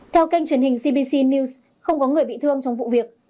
theo kênh truyền hình cbc news không có người bị thương trong vụ việc